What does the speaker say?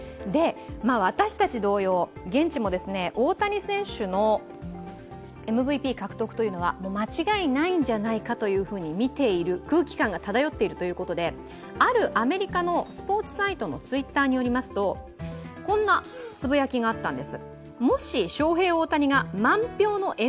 私たち同様現地も、大谷選手のМＶＰ獲得というのは間違いないんじゃないかとみている空気感がだ頼っているということであるアメリカのスポーツサイトのＴｗｉｔｔｅｒにこんなつぶやきがあったんです。